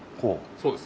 そうです。